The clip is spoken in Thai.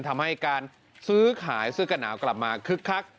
ทำให้การซื้อขายซื้อกันหนาวกลับมาคึกคัก